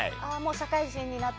社会人になって。